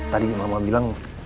tadi mama bilang